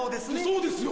そうですよ